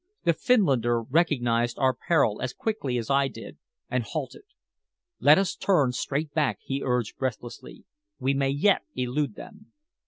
The Finlander recognized our peril as quickly as I did, and halted. "Let us turn straight back," he urged breathlessly. "We may yet elude them."